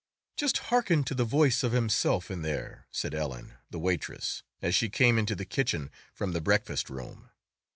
"Just hearken to the voice of himself in there," said Ellen, the waitress, as she came into the kitchen from the breakfast room.